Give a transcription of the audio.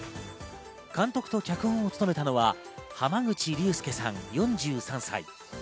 監督と脚本を務めたのは濱口竜介さん、４３歳。